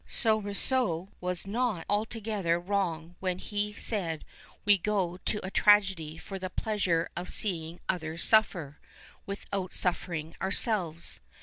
So Rousseau was not altogether wrong when he said we go to a tragedy for the pleasure of seeing others suffer, with out suffering ourselves.